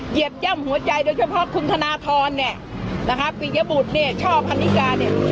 เหยีย่ำหัวใจโดยเฉพาะคุณธนทรเนี่ยนะคะปียบุตรเนี่ยช่อพันนิกาเนี่ย